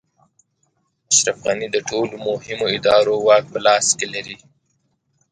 اشرف غني د ټولو مهمو ادارو واک په لاس کې لري.